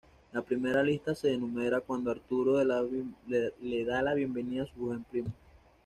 La primera lista se enumera cuando Arturo da la bienvenida a su joven primo.